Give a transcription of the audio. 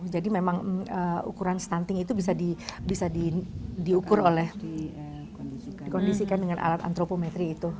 jadi memang ukuran stunting itu bisa diukur oleh dikondisikan dengan alat antropometri itu